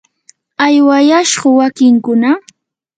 ¿aywayashku wakinkuna?